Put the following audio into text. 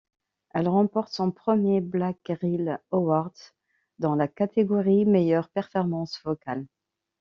Elle remporte son premier Black Reel Awards dans la catégorie Meilleure performance vocale.